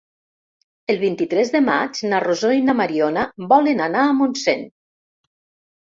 El vint-i-tres de maig na Rosó i na Mariona volen anar a Montseny.